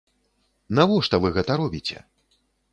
Навошта вы гэта робіце?